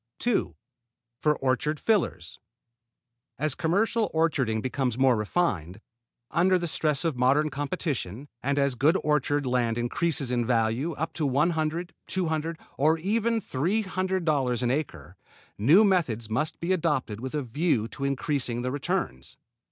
2. For orchard fillers. As commercial orcharding becomes more refined, under the stress of modern competition, and as good orchard land increases in value, up to one hundred, two hundred, or even three hundred dollars an acre, new methods must be adopted with a view to increasing the returns.